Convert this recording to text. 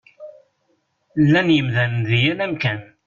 Llan yemdanen di yal amkan.